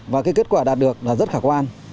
và cái kết quả đạt được là rất khả quan